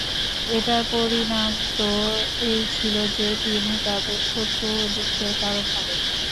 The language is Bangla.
এটার পরিণাম তো এই ছিল যে, তিনি তাদের শত্রু ও দুঃখের কারণ হবেন।